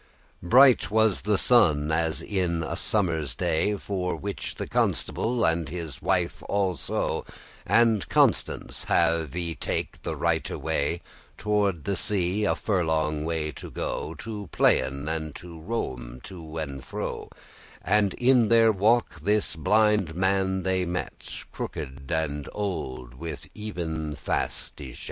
Bright was the sun, as in a summer's day, For which the Constable, and his wife also, And Constance, have y take the righte way Toward the sea a furlong way or two, To playen, and to roame to and fro; And in their walk this blinde man they met, Crooked and old, with eyen fast y shet.